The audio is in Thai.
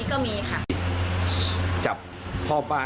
แล้วก็คิดเห็นมันก็ไม่ตรงกับเรา